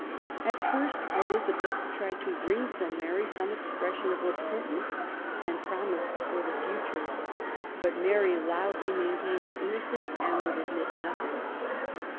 At first Elizabeth tried to wring from Mary some expression of repentance and promise for the future; but Mary loudly maintained her innocence and would admit nothing.